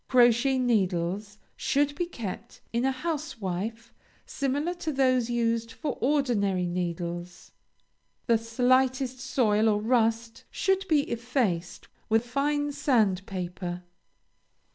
Crochet needles should be kept in a housewife similar to those used for ordinary needles. The slightest soil or rust should be effaced with fine sandpaper.